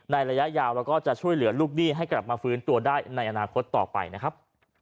ระยะยาวแล้วก็จะช่วยเหลือลูกหนี้ให้กลับมาฟื้นตัวได้ในอนาคตต่อไปนะครับ